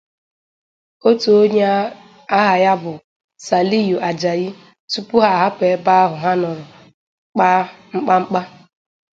onye aha ya bụ Saliu Ajayi tupu ha hapụ ebe ahụ ha nọrọ kpa mkpamkpa